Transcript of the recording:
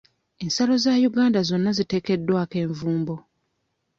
Ensalo za Uganda zonna ziteekeddwako envumbo.